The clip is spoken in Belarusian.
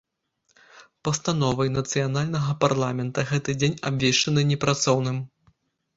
Пастановай нацыянальнага парламента гэты дзень абвешчаны непрацоўным.